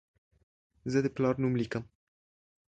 زه د پلار نوم لیکم.